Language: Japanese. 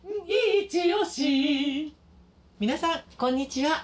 皆さんこんにちは。